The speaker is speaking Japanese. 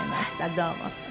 どうも。